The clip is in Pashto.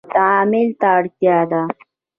تعامل ته اړتیا ده